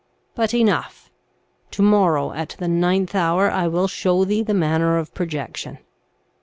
But enough; tomorrow at the ninth hour I will show thee the manner of projection.'